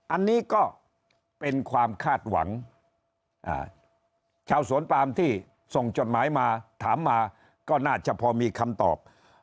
อันนี้ก็เป็นความคาดหวังชาวสวนปามที่ส่งจดหมายมาถามมาก็น่าจะพอมีคำตอบ